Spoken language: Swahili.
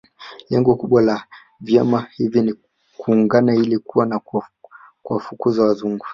Lengo kubwa la vyama hivi kuungana ilikuwa ni kuwafukuza Wazungu